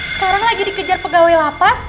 sekarang lagi dikejar pegawai lapas